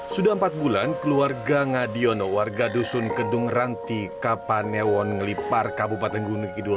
sudah empat bulan keluarga ngadiono warga dusun kedung ranti kapanewon ngelipar kabupaten gunung kidul